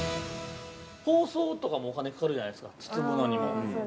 ◆包装とかもお金かかるじゃないですか包むのにも。